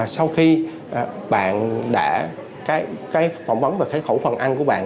sau khi bạn đã phỏng vấn về khẩu phần ăn của bạn